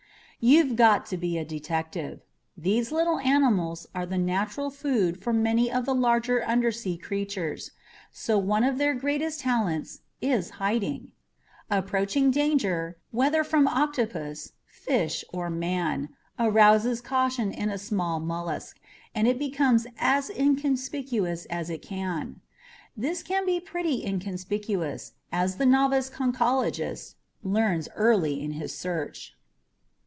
You've got to be a detective. These little animals are the natural food for many of the larger undersea creatures, so one of their greatest talents is hiding. Approaching danger, whether from octopus, fish or man, arouses caution in a small mollusk and it becomes as inconspicuous as it can. This can be pretty inconspicuous, as the novice conchologist learns early in his search.